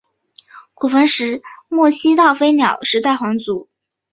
古坟时代末期到飞鸟时代皇族。